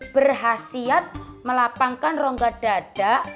berhasiat melapangkan rongga dada